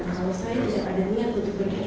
kalau saya tidak ada niat untuk berhubung